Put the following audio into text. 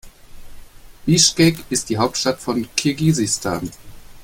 Bischkek ist die Hauptstadt von Kirgisistan.